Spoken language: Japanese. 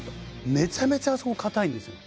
めちゃめちゃあそこ硬いんですよ。